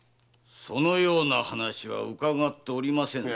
そのような話は伺っておりませぬが？